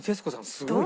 すごい。